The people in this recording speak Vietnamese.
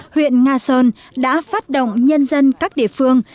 huyện nga sơn đã phát động nhân dân các địa phương